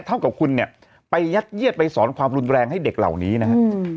เท่ากับคุณเนี่ยไปยัดเยียดไปสอนความรุนแรงให้เด็กเหล่านี้นะฮะ